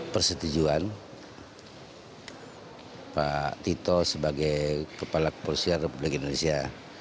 persetujuan pak tito sebagai kepala kepolisian republik indonesia